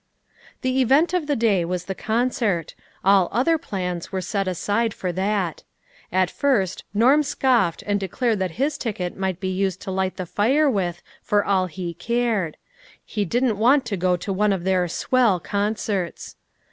The event of the day was the concert ; all other plans were set aside for that. At first Norm scoffed and declared that his ticket might be used to light the fire with, for all he cared ; he didn't want to go to one of their " swell " concerts.